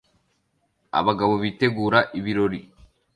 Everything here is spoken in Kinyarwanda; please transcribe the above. Abagabo bitegura ibirori